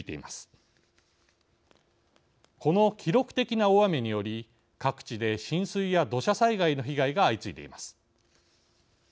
この記録的な大雨により各地で浸水や土砂災害の被害が相次いでいます。